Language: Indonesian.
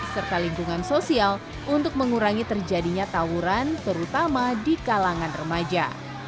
serta lingkungan sosial untuk mengurangi terjadinya tawuran terutama di kalangan remaja